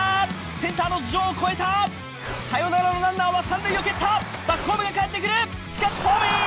センターの頭上を越えたサヨナラのランナーは３塁を蹴ったバックホームへかえってくるしかしホームイン！